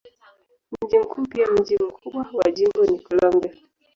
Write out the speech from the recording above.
Mji mkuu pia mji mkubwa wa jimbo ni Columbia.